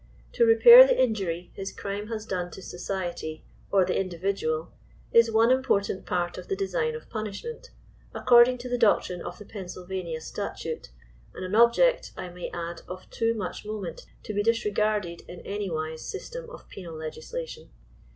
To repair the injury his crime has done to society or the individual is one important part of the design of punishment, according to the doctrine of the Pennsylvania stat ute, and an object, I may add, of too much moment to be dis regarded in any wise system of penal legislation.